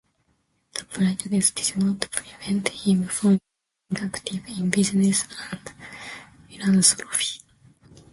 The blindness did not prevent him from being active in business and philanthropy.